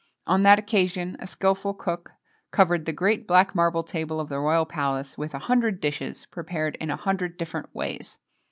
On that occasion a skilful cook covered the great black marble table of the royal palace[XXII 35] with a hundred dishes prepared in a hundred different ways.